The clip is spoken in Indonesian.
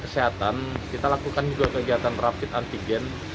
kesehatan kita lakukan juga kegiatan rapid antigen